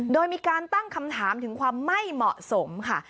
โดยมีการตั้งคำถามถึงความไม่เหมาะสมค่ะ